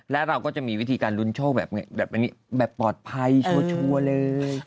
และเราก็จะมีวิธีการลุ้นโชคแบบปลอดภัยชัวร์เลย